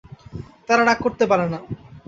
তারা রাগ করতে পারে না।